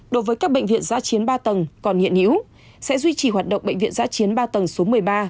đối với các bệnh viện giã chiến ba tầng còn hiện hữu sẽ duy trì hoạt động bệnh viện giã chiến ba tầng số một mươi ba